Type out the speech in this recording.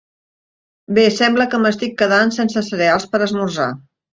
Bé, sembla que m'estic quedant sense cereals per a esmorzar.